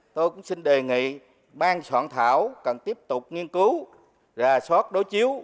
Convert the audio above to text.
tôi cũng xin đề nghị ban soạn thảo cần tiếp tục nghiên cứu ra soát đối chiếu